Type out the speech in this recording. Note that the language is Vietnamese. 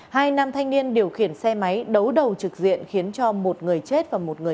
hai nam thanh niên điều khiển xe máy đấu đầu trực diện khiến cho một người chết